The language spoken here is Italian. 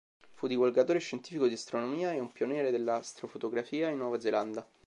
Fu divulgatore scientifico di astronomia e un pioniere dell'astrofotografia in Nuova Zelanda.